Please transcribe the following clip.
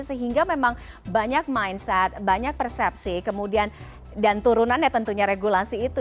sehingga memang banyak mindset banyak persepsi kemudian dan turunannya tentunya regulasi itu